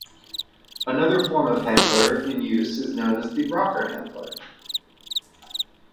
Another form of handler in use is known as the rocker handler.